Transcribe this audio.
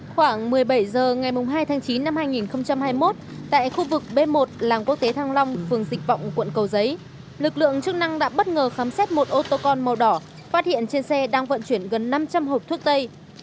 khoảng một mươi bảy h ngày hai tháng chín năm hai nghìn hai mươi một tại khu vực b một làng quốc tế thăng long phường dịch vọng quận cầu giấy lực lượng chức năng đã bất ngờ khám xét một ô tô con màu đỏ phát hiện trên xe đang vận chuyển gần năm trăm linh hộp thuốc tây